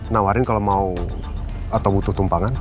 nawarin kalau mau atau butuh tumpangan